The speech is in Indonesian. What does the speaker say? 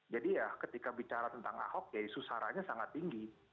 jadi ya ketika bicara tentang ahok ya isu saranya sangat tinggi